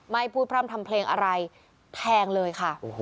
พูดพร่ำทำเพลงอะไรแทงเลยค่ะ